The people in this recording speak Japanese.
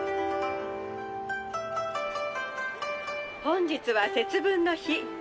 「本日は節分の日。